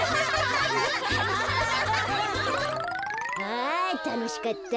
あたのしかった。